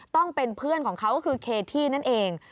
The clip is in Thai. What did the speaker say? ต้องเป็นเพื่อนของเขาก็คือเคที่นั่นเอง